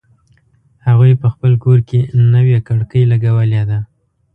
هغوی په خپل کور کی نوې کړکۍ لګولې دي